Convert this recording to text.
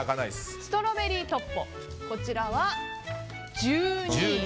ストロベリートッポは１２位。